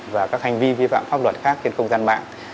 và các hành vi vi phạm pháp luật khác trên không gian mạng